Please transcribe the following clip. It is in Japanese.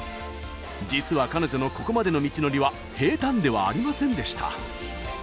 実は彼女のここまでの道のりは平たんではありませんでした。